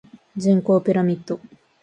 人口ピラミッド